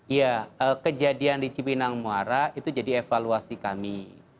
iya kejadian di cipinang muara itu jadi evaluasi kami